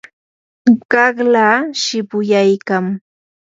qaqlaa shipuyaykam.